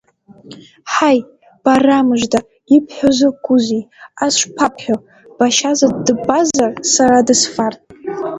Ҳаи, бара мыжда, ибҳәо закәызеи, ас шԥабҳәо, башьа заҵә дыббазар, сара дысфартә.